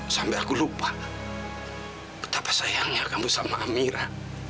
sampai aku lupa betapa sayangnya kamu sama amira